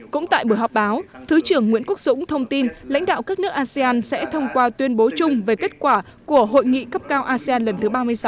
cũng tại buổi họp báo thứ trưởng nguyễn quốc dũng thông tin lãnh đạo các nước asean sẽ thông qua tuyên bố chung về kết quả của hội nghị cấp cao asean lần thứ ba mươi sáu